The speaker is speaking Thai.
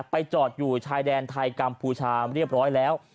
จอดอยู่ชายแดนไทยกัมพูชาเรียบร้อยแล้ว